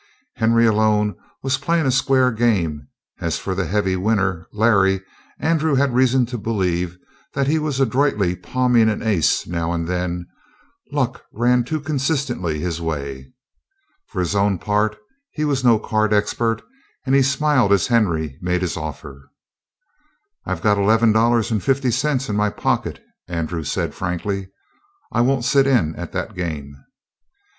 Henry, alone, was playing a square game; as for the heavy winner, Larry, Andrew had reason to believe that he was adroitly palming an ace now and then luck ran too consistently his way. For his own part, he was no card expert, and he smiled as Henry made his offer. "I've got eleven dollars and fifty cents in my pocket," Andrew said frankly. "I won't sit in at that game."